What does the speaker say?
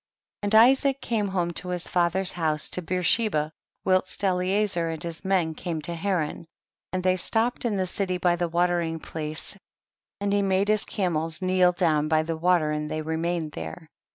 35. And Isaac came home to his father's house to Beersheba, whilst Eliezer and his men came to Haran ; and they stopped in the city by the watering jjlace, and he made his camels to kneel down by the water and they remained there.